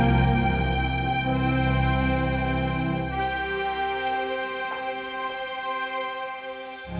ini bisa ber guess